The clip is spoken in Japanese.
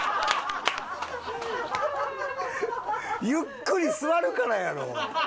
ゆっくり座るからやろ。